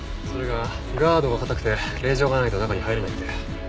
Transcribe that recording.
それがガードが堅くて令状がないと中に入れないって。